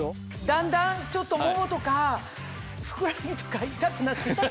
だんだんちょっとももとかふくらはぎとか痛くなって来た。